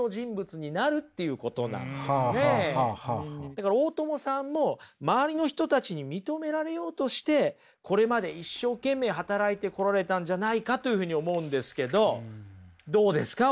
だから大友さんも周りの人たちに認められようとしてこれまで一生懸命働いてこられたんじゃないかというふうに思うんですけどどうですか？